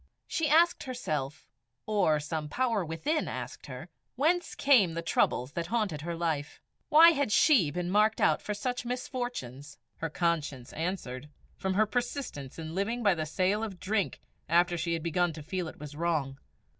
She asked herself, or some power within asked her, whence came the troubles that had haunted her life. Why had she been marked out for such misfortunes? Her conscience answered from her persistence in living by the sale of drink after she had begun to feel it was wrong.